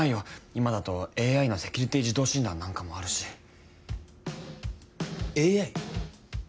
今だとＡＩのセキュリティー自動診断なんかもあるしＡＩ？